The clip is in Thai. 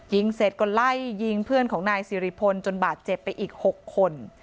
ยิงเสร็จก็ไล่ยิงเพื่อนของนายสิริพลจนบาดเจ็บไปอีก๖คน